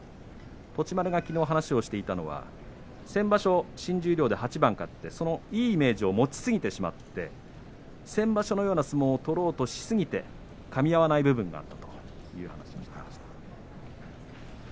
栃丸はきのう話をしていたのは先場所、新十両で８番勝っていいイメージを持ちすぎてしまって先場所のような相撲を取ろうとしすぎてかみ合わない部分があったという話をしていました。